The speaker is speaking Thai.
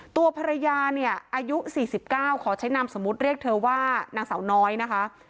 ตัวภรรยาเนี่ยอายุ๔๙ขอใช้นามสมมุติเรียกเธอว่านางสาวน้อยนะคะ